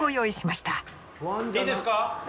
いいですか？